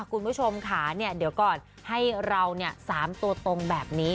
คุณผู้ชมค่ะเดี๋ยวก่อนให้เรา๓ตัวตรงแบบนี้